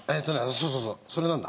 そうそうそうそれなんだ。